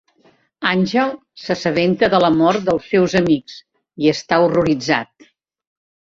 Angel s'assabenta de la mort dels seus amics i està horroritzat.